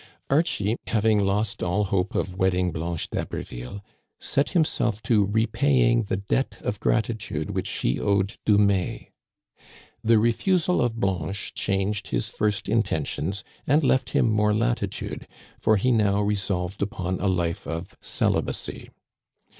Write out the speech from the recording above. Archie, having lost all hope of wedding Blanche d'Haberville, set himself to repaying the debt of grati tude which he owed Dumais. The refusal of Blanche changed his first intentions and left him more latitude ; for he now resolved upon a life of celibacy.